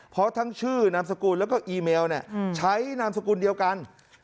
เพราะทั้งชื่อนามสกุลแล้วก็อีเมลใช้นามสกุลเดียวกัน